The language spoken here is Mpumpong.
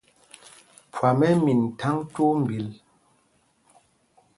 Phwam ɛ́ ɛ́ min thaŋ twóó mbil.